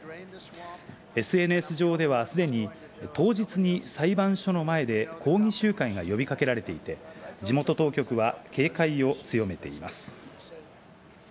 ＳＮＳ上ではすでに裁判所の前で抗議集会が呼び掛けられていて、地元当局は警戒を強めています。